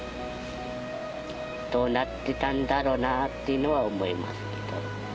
どうなってたんだろなっていうのは思いますけど。